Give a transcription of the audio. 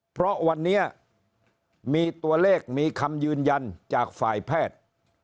เพราะวันนี้มีตัวเลขมีคำยืนยันจากฝ่ายแพทย์